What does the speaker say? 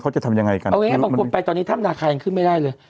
เขาจะทำยังไงกันเอาไงบอกไปตอนนี้ถ้ำนาคายยังขึ้นไม่ได้เลย